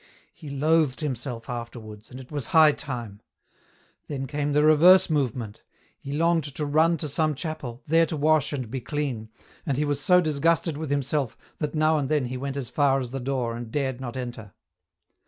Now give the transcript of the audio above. He loathed himself afterwards, and it was high time. Then came the reverse movement ; he longed to run to some chapel, there to wash and be clean, and he was so disgusted with himself that now and then he went as far as the door and dared not enter.